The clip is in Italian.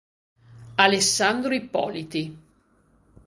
Alessandro Ippoliti